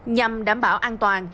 nhằm đảm bảo an toàn